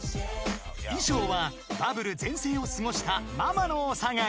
［衣装はバブル全盛を過ごしたママのお下がり］